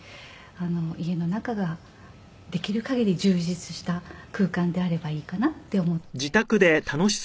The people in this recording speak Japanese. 家の中ができる限り充実した空間であればいいかなって思って過ごしました。